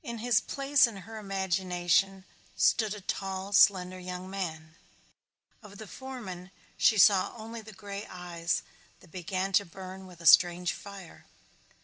In his place in her imagination stood a tall slender young man. Of the foreman she saw only the gray eyes that began to burn with a strange fire.